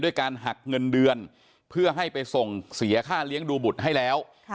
การหักเงินเดือนเพื่อให้ไปส่งเสียค่าเลี้ยงดูบุตรให้แล้ว